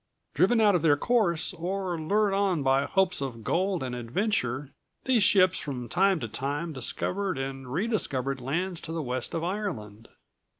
Driven out of their course or lured on by hopes of gold and adventure, these ships from time to time discovered and rediscovered lands to the west of Ireland.